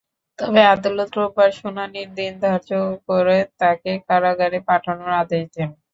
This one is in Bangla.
তবে আদালত রোববার শুনানির দিন ধার্য করে তাঁকে কারাগারে পাঠানোর আদেশ দেন।